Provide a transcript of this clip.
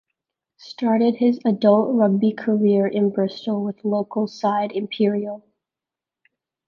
Started his adult rugby career in Bristol with local side Imperial.